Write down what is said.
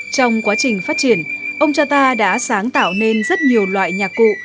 trong quá trình phát triển ông cha ta đã sáng tạo nên rất nhiều loại nhạc cụ